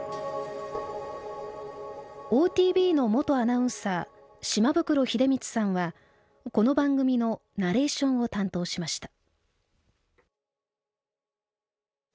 ＯＴＶの元アナウンサー島袋秀光さんはこの番組のナレーションを担当しました。